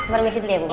permisi dulu ya bu